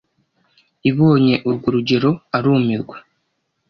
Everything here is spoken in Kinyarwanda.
Ibonye urwo rugero arumirwa